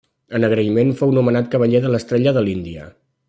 En agraïment fou nomenat cavaller de l'estrella de l'Índia.